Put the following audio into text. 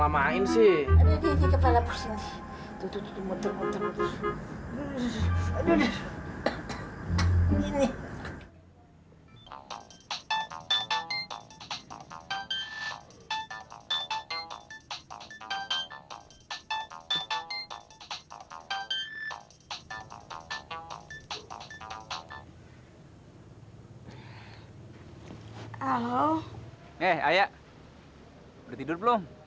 udah tidur belum